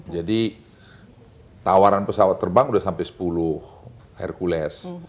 tawaran pesawat terbang sudah sampai sepuluh hercules